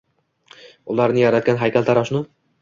Ularni yaratgan haykaltaroshni